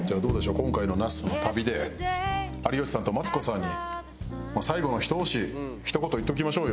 今回の那須の旅で有吉さんとマツコさんに最後のひと押しひと言言っておきましょうよ。